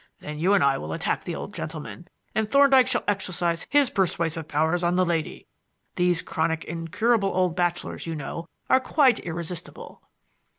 Then you and I will attack the old gentleman, and Thorndyke shall exercise his persuasive powers on the lady. These chronic incurable old bachelors, you know, are quite irresistible."